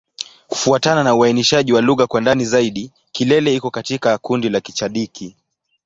Kufuatana na uainishaji wa lugha kwa ndani zaidi, Kilele iko katika kundi la Kichadiki.